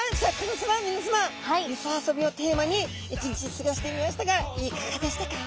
みなさま磯遊びをテーマに一日すギョしてみましたがいかがでしたか？